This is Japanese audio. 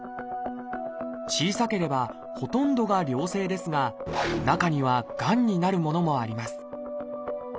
小さければほとんどが良性ですが中にはがんになるものもあります